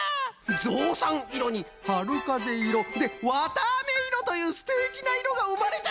ぞうさんいろにはるかぜいろでわたあめいろというすてきないろがうまれたぞい！